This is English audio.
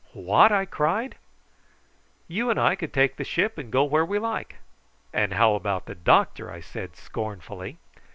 "What!" I cried. "You and I could take the ship and go where we like." "And how about the doctor?" I said scornfully.